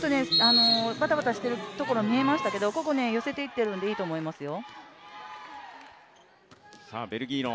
ばたばたしているところ見えましたけど、ここは寄せていっているのでいいと思いますよ。